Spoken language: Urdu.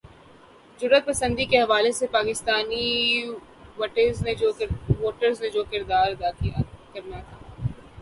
رجعت پسندی کے حوالے سے پاکستانی ووٹرز نے جو کردار ادا کرنا تھا۔